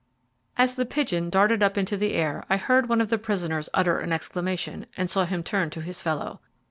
As the pigeon darted up into the air I heard one of the prisoners utter an exclamation, and saw him turn to his fellow.